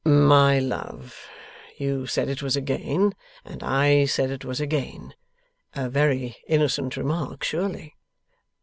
'My love, you said it was a gain, and I said it was a gain. A very innocent remark, surely.